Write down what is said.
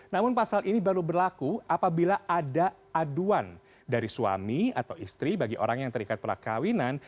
namun pasal ini baru berlaku apabila ada aduan dari suami atau istri bagi orang yang terikat perkawinan